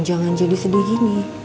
jangan jadi sedih gini